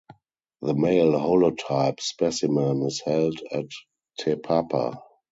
The male holotype specimen is held at Te Papa.